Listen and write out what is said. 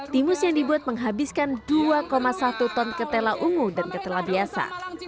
timus yang dibuat menghabiskan dua satu ton ketela ungu dan ketela biasa